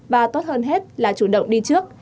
và tốt hơn hết là chủ động đi trước